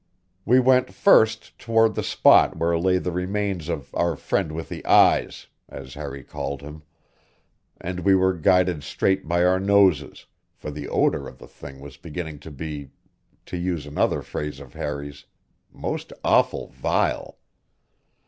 We went first toward the spot where lay the remains of "our friend with the eyes," as Harry called him, and we were guided straight by our noses, for the odor of the thing was beginning to be to use another phrase of Harry's "most awful vile."